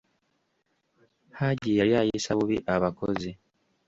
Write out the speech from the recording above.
Hajji yali ayisa bubi abakozi.